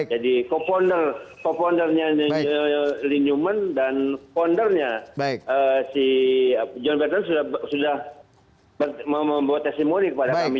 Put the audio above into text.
jadi co founder co foundernya lenyuman dan foundernya si john bertelken sudah membuat testimoni kepada kami